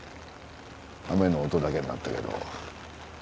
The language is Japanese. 雨の音だけになったけど。